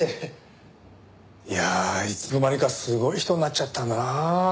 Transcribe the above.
いやあいつの間にかすごい人になっちゃったんだなあ。